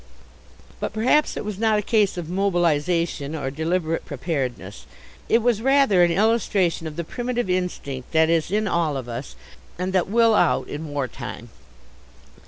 But perhaps it was not a case of mobilization, or deliberate preparedness. It was rather an illustration of the primitive instinct that is in all of us and that will out in "war time."